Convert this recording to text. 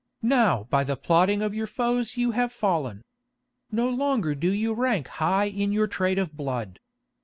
Now by the plotting of your foes you have fallen. No longer do you rank high in your trade of blood.